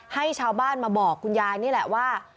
ให้ชาวบ้านมาบอกคุณยายนี่แหละว่า